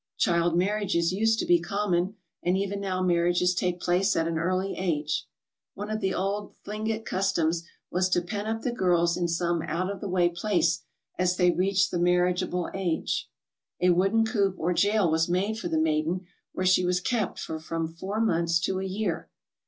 Child mar riages used to be common, and even now marriages take place at an early age. One of the old Thlinget customs was to pen up the girls in some out of the way place as 57 ALASKA OUR NORTHERN WONDERLAND they reached the marriageable age. A wooden coop or jail was made for the maiden where she was kept for from four months to a year.